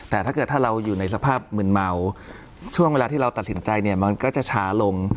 แต่ถ้าเกิดถ้าเราอยู่ในสภาพมืนเมาช่วงเวลาที่เราตัดสินใจเนี่ยมันก็จะช้าลง